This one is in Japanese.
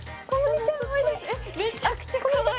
めちゃくちゃかわいい。